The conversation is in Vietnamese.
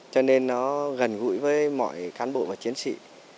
cho nên nó gần gũi với mọi cán bộ và chiến sĩ